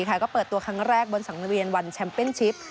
ก็เปิดตัวครั้งแรกบนสังเวียนวันแชมเปญชิป